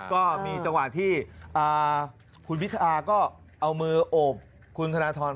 ก็มีจังหวะที่คุณวิทยาก็เอามือโอบคุณธนทร